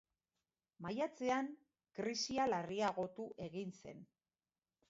Maiatzean, krisia larriagotu egin zen.